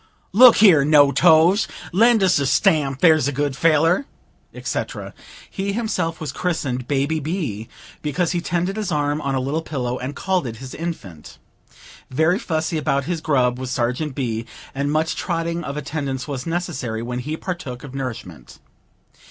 "Look here, No Toes, lend us a stamp, there's a good feller," etc. He himself was christened "Baby B.," because he tended his arm on a little pillow, and called it his infant. Very fussy about his grub was Sergeant B., and much trotting of attendants was necessary when he partook of nourishment.